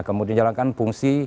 nah kemudian jalankan fungsi anggaran